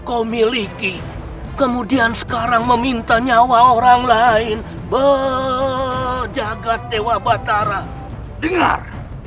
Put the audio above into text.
kau miliki kemudian sekarang meminta nyawa orang lain be jaga dewa batara dengar